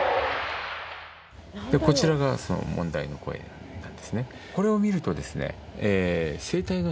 こちらが問題の声なんですね。